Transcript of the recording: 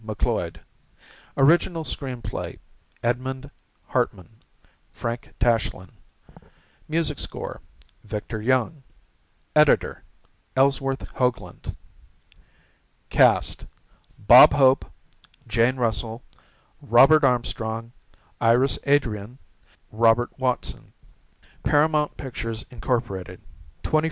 McLeod; original screenplay, Edmund Hartmann, Frank Tashlin; music score, Victor Young; editor, Ellsworth Hoagland. Cast: Bob Hope, Jane Russell, Robert Armstrong, Iris Adrian, Robert Watson. ┬® Paramount Pictures Inc.; 24Dec48; LP2183.